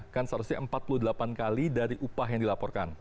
kan seharusnya empat puluh delapan kali dari upah yang dilaporkan